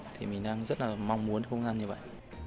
thì mình đang rất là mong muốn không gian như vậy